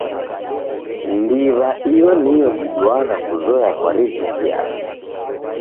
Ndiw'a iyo niyo iduagha kuzoya kwa riziki yape.